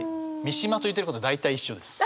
三島と言ってること大体一緒です。